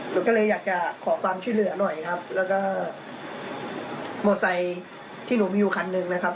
หนูก็เลยอยากจะขอความช่วยเหลือหน่อยครับแล้วก็มอไซค์ที่หนูมีอยู่คันหนึ่งนะครับ